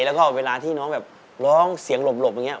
แล้วก็เวลาที่น้องแบบร้องเสียงหลบอย่างนี้